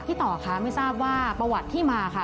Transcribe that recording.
ต่อคะไม่ทราบว่าประวัติที่มาค่ะ